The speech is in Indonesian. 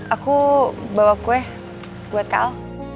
aku bawa kue buat kal